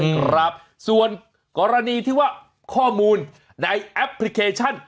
ครับส่วนกรณีที่ว่าข้อมูลในแอปพลิเคชัน